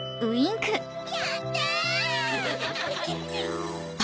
やった！